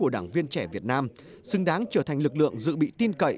đảng viên trẻ việt nam xứng đáng trở thành lực lượng dự bị tin cậy